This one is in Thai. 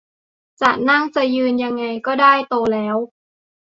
จะนั่งจะยืนยังไงก็ได้ โตแล้ว